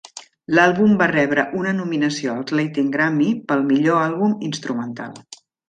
L'àlbum va rebre una nominació als Latin Grammy pel millor àlbum Instrumental.